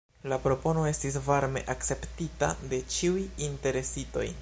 La propono estis varme akceptita de ĉiuj interesitoj.